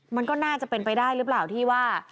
มันก็น่าจะเป็นไปได้หรือเปล่าที่ว่า